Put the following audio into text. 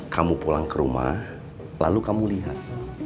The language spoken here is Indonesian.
kamu pulang ke rumah lalu kamu lihat